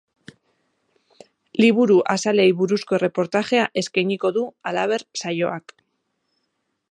Liburu azalei buruzko erreportajea eskainiko du, halaber, saioak.